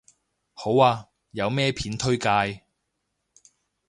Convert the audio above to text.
好啊，有咩片推介